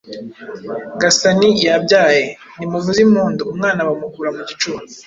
Gasani yabyaye! Nimuvuze impundu!" Umwana bamukura mu gicuba,